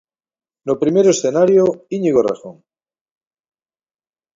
No primeiro escenario, Íñigo Errejón.